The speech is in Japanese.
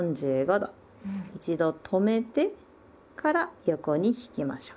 一度止めてから横に引きましょう。